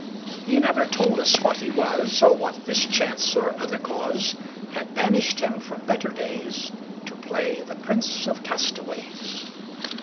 He never told us what he was, Or what mischance, or other cause, Had banished him from better days To play the Prince of Castaways.